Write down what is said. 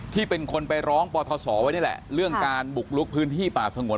ที่เป็นคนไปร้องปทศไว้นี่แหละเรื่องการบุกลุกพื้นที่ป่าสงวน